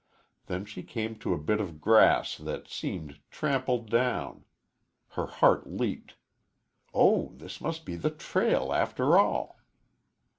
Then she came to a bit of grass that seemed trampled down. Her heart leaped. Oh, this must be the trail, after all!